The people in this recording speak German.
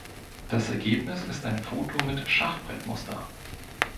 Das Ergebnis ist ein Foto mit Schachbrettmuster.